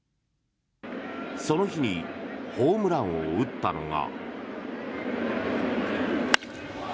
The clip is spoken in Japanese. その日にホームランを打ったのが。